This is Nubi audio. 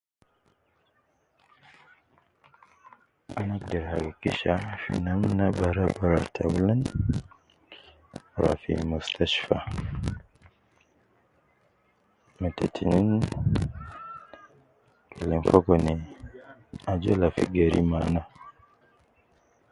Ana agder hakikisha fi namna baraabaraa ta aulan ruwa fi mushtashfa. Me ta tinein lim Fogo me ajol al fi geri maana.